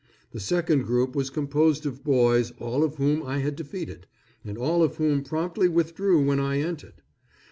The second group was composed of boys all of whom I had defeated, and all of whom promptly withdrew when I entered.